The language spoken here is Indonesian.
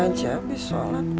nanti aja abis sholat p